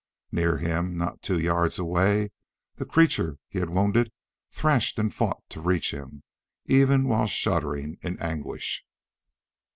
Near him not two yards away the creature he had wounded thrashed and fought to reach him, even while shuddering in anguish.